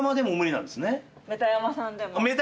メタヤマさんでも！